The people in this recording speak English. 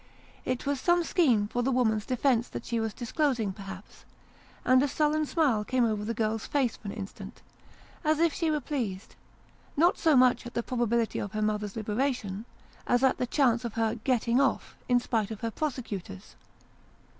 It was some scheme for the woman's defence that she was disclosing, perhaps ; and a sullen smile came over the girl's face for an instant, as if she were pleased : not so much at the probability of her mother's liberation, as at the chance of her "getting off" in spite of her prosecutors.